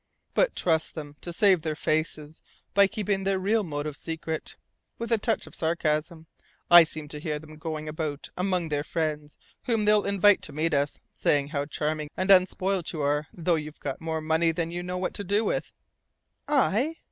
"But trust them to save their faces by keeping their real motive secret!" with a touch of sarcasm. "I seem to hear them going about among their friends, whom they'll invite to meet us, saying how charming and unspoilt you are though you've got more money than you know what to do with " "I!"